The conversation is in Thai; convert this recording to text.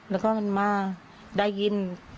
แล้วก็มันมาได้ยิน